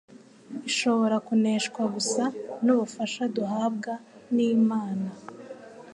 ishobora kuneshwa gusa n’ubufasha duhabwa n’Imana.